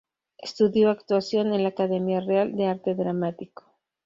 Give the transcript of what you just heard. Estudió actuación en la Academia Real de Arte Dramático.